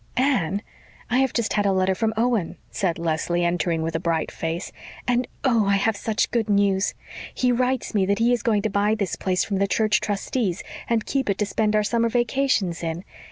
"Anne, I have just had a letter from Owen," said Leslie, entering with a bright face. "And, oh! I have such good news. He writes me that he is going to buy this place from the church trustees and keep it to spend our summer vacations in.